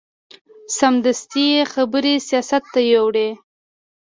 سمدستي یې خبرې سیاست ته یوړې.